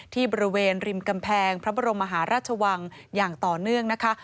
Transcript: ที่บริเวณริมกำแพงพระบรมมหาราชวังอย่างต่อเนื่องนะคะ